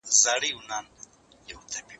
تا چي ول دا کار به بالا ګټه ونلري